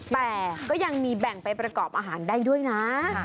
แต่ก็ยังมีแบ่งไปประกอบอาหารได้ด้วยนะ